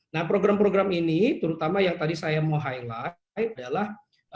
nah program program ini terutama yang tadi saya mau highlight adalah